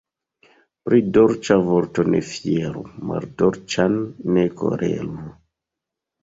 Pri dolĉa vorto ne fieru, maldolĉan ne koleru.